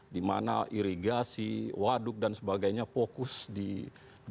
dimana irigasi waduk dan sebagainya fokus dibangun